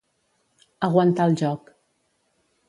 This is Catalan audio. Aguantar el joc.